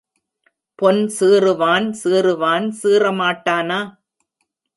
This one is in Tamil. பொன் சீறுவான் சீறுவான் சீறமாட்டானா?